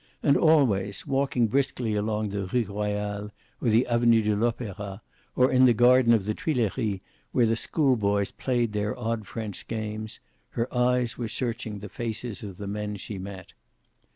And, always, walking briskly along the Rue Royale or the Avenue de l'Opera, or in the garden of the Tuileries where the school boys played their odd French games, her eyes were searching the faces of the men she met.